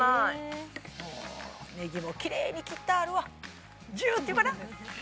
ネギもキレイに切ってあるわジューっていうかな？